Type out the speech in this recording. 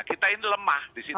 kita ini lemah di situ